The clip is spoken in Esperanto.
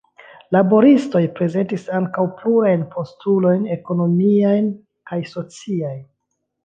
Laboristoj prezentis ankaŭ plurajn postulojn ekonomiajn kaj sociajn.